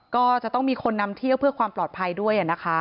ก็จะต้องมีคนนำเที่ยวเพื่อความปลอดภัยด้วยนะคะ